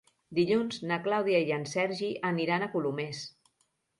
Dilluns na Clàudia i en Sergi aniran a Colomers.